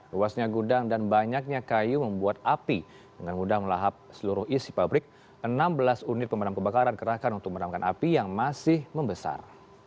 luasnya gudang dan banyaknya kayu membuat api dengan mudah melahap seluruh isi pabrik enam belas unit pemadam kebakaran kerahkan untuk meramkan api yang masih membesar